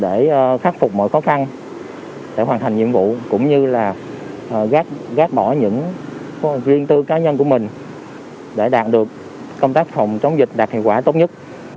để khắc phục mọi khó khăn để hoàn thành nhiệm vụ cũng như là gác bỏ những riêng tư cá nhân của mình để đạt được công tác phòng chống dịch đạt hiệu quả tốt nhất